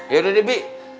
yaudah deh bi